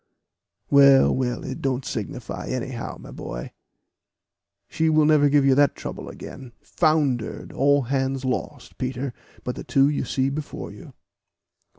"Well, well, it don't signify now, my boy; she will never give you that trouble again foundered all hands lost, Peter, but the two you see before you."